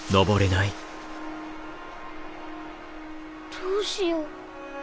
どうしよう。